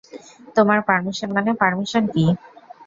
তোমার পারমিশন মানে, পারমিশন কী?